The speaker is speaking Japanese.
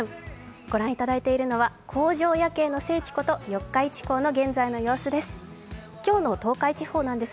御覧いただいているのは工場夜景の聖地こと四日市港の様子です。